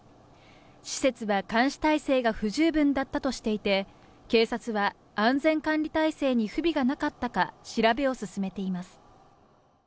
施設は監視体制が不十分だったとしていて、警察は安全管理体制に不備がなかったか調べを進めています。